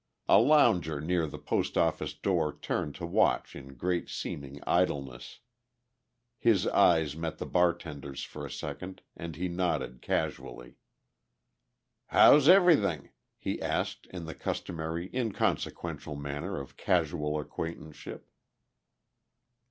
A lounger near the post office door turned to watch in great seeming idleness. His eyes met the bartender's for a second and he nodded casually. "How's everything?" he asked in the customary inconsequential manner of casual acquaintanceship.